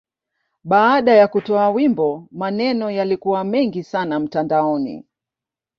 Baada ya kutoa wimbo, maneno yalikuwa mengi sana mtandaoni.